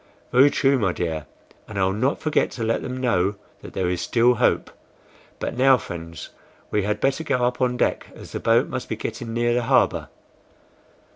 "Very true, my dear, and I'll not forget to let them know that there is still hope. But now, friends, we had better go up on deck, as the boat must be getting near the harbor."